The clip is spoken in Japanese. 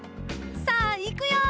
さあいくよ！